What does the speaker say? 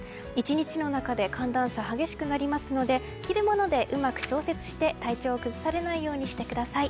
１日の中で寒暖差が激しくなりますので着るものでうまく調節して体調を崩されないようにしてください。